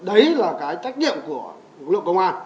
đấy là cái trách nhiệm của lực lượng công an